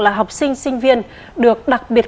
là học sinh sinh viên được đặc biệt